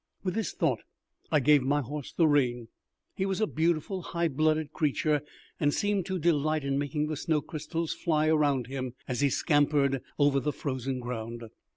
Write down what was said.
With this thought I gave my horse the rein. He was a beautiful high blooded creature, and seemed to delight in making the snow crystals fly around him, as he scampered over the frozen ground.